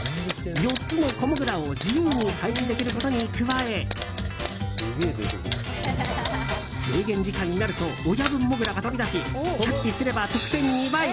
４つの子モグラを自由に配置できることに加え制限時間になると親分モグラが飛び出しキャッチすれば得点２倍。